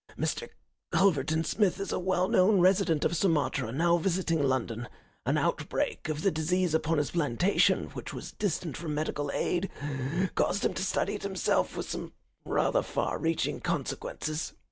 Mr. Culverton Smith is a well known resident of Sumatra, now visiting London. An outbreak of the disease upon his plantation, which was distant from medical aid, caused him to study it himself, with some rather far reaching consequences.